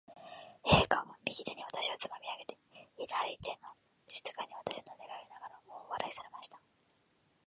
陛下は、右手に私をつまみ上げて、左の手で静かに私をなでながら、大笑いされました。